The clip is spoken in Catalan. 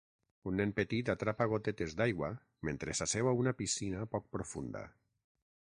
Un nen petit atrapa gotetes d'aigua mentre s'asseu a una piscina poc profunda.